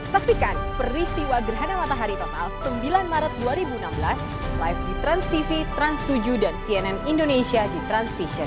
saksikan peristiwa gerhana matahari total sembilan maret dua ribu enam belas live di transtv trans tujuh dan cnn indonesia di transvision